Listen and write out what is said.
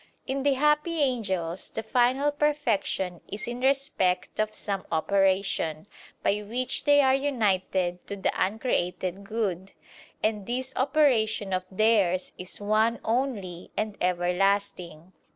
In the happy angels, the final perfection is in respect of some operation, by which they are united to the Uncreated Good: and this operation of theirs is one only and everlasting.